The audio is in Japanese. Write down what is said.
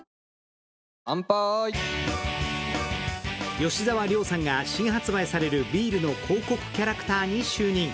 吉沢亮さんが新発売されるビールの広告キャラクターに就任。